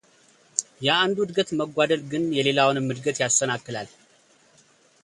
የአንዱ ዕድገት መጓደል ግን የሌላውንም ዕድገት ያሰናክላል